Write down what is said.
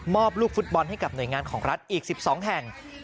ลูกฟุตบอลให้กับหน่วยงานของรัฐอีก๑๒แห่ง